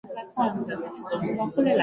Hizi nazo njema kazi, yafaa uzibaini